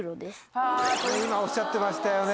今おっしゃってましたよね。